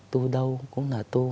tu đâu cũng là tu